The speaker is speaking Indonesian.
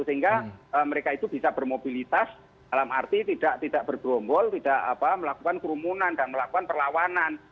sehingga mereka itu bisa bermobilitas dalam arti tidak bergerombol tidak melakukan kerumunan dan melakukan perlawanan